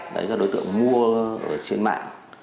đấy do đối tượng mua trên mạng